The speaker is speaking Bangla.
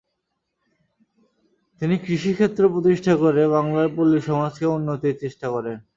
তিনি কৃষি ক্ষেত্র প্রতিষ্ঠা করে বাংলার পল্লীসমাজকে উন্নতির চেষ্টা করেন।